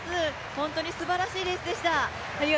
本当にすばらしいレースでした。